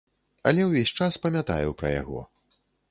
Але ўвесь час памятаю пра яго.